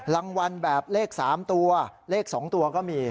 รางวัลแบบเลข๓ตัวเลข๒ตัวก็มี